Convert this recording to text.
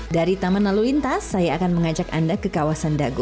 dari taman lalu lintas saya akan mengajak anda ke kawasan dago